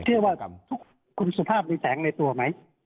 เชื่อว่าคุณสุภาพมีแสงในตัวไหม